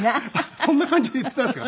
そんな感じで言ってたんですか？